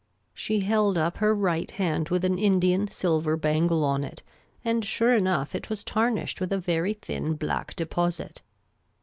She held up her right hand with an Indian silver bangle on it ; and sure enough it was tarnished with a very thin black deposit.